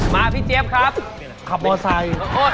มาพี่เจี๊ยบครับขับมอเซ้น